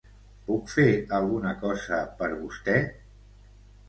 Puc fer alguna cosa per vostè?